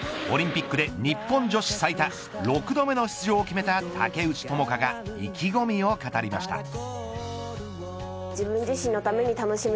オリンピックで、日本女子最多６度目の出場を決めた竹内智香が意気込みを語りました。